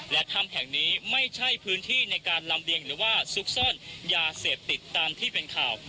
และถ้ำแห่งนี้ไม่ใช่พื้นที่ในการลำเลียงหรือว่าซุกซ่อนยาเสพติดตามที่เป็นข่าว